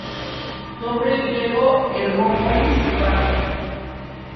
Nombre griego: Hermópolis Parva.